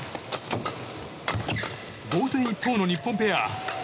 防戦一方の日本ペア。